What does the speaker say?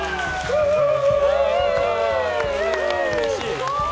すごい！